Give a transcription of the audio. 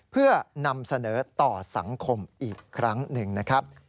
เพื่อนำเสนอต่อสังคมอีกครั้งหนึ่งนะครับ